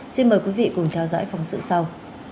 xin mời quý vị cùng theo dõi phóng sự sau